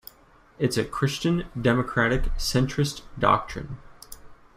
It's a christian-democratic centrist doctrine.